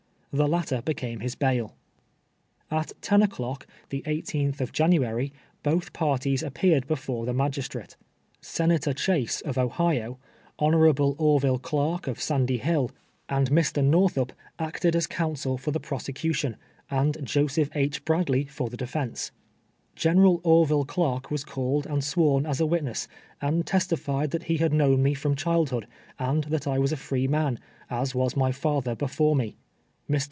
The latter became his bail. At ten o'clock, the ISth of January, 1)oth parties ajipeared before the magistrate. Senator Chase, of Ohio, Hon. Orville Clark, of Sandy Hill, and Mr. BURCII ARRESTED. 313 ISTortlmp acted as counsel for the prosecution, and Jo seph TI. Bradh^v for the defence. .■^. Gen. Orville Cdark was called and sworn as a wit ness, and testified that he had known me from child hood, and that I was a free man, as was mj father he fore me. Mr.